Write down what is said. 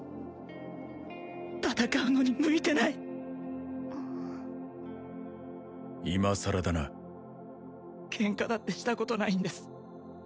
戦うのに向いてないいまさらだなケンカだってしたことないんです